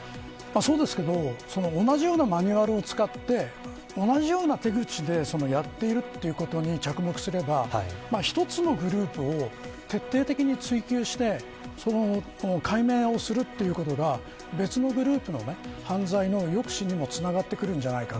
そうですけど同じようなマニュアルを使って同じような手口でやっているということに着目すれば一つのグループを徹底的に追求してその解明をするということが別のグループの犯罪の抑止にもつながってくるんじゃないか。